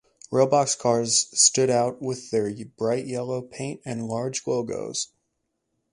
Railbox cars stood out with their bright yellow paint and large logos.